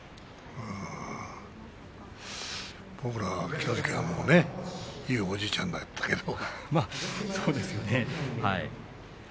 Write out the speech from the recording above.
僕らがいたときはいいおじいちゃんだったけどね。